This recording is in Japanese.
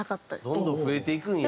どんどん増えていくんや。